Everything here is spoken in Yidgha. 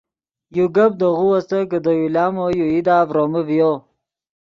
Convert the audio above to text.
یو گپ دے غو استت کہ دے یو لامو یو ایدا ڤرومے ڤیو